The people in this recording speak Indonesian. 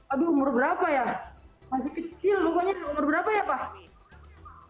aduh umur berapa ya masih kecil pokoknya umur berapa ya pak